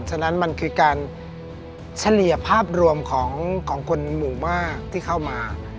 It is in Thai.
ฉะนั้นมันคือการเฉลี่ยภาพรวมของคนหมู่มากที่เข้ามา